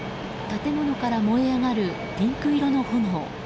建物から燃え上がるピンク色の炎。